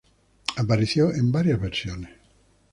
Apareció en varias versiones.